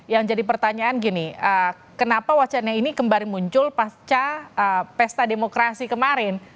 yang jadi pertanyaan gini kenapa wacana ini kembali muncul pasca pesta demokrasi kemarin